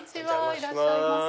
いらっしゃいませ。